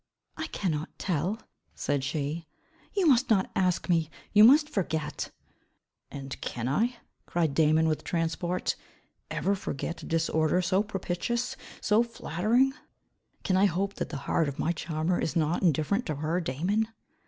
"I cannot tell," said she, "you must not ask me. You must forget it." "And can I," cried Damon with transport, "ever forget a disorder so propitious, so flattering? Can I hope that the heart of my charmer is not indifferent to her Damon!"